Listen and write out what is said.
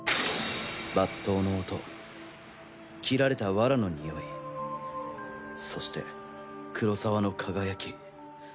抜刀の音切られたワラの匂いそして黒澤の輝き。